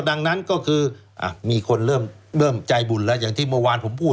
ดังนั้นก็คือมีคนเริ่มใจบุญแล้วอย่างที่เมื่อวานผมพูด